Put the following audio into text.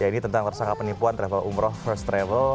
ya ini tentang persangka penipuan travel umroh first travel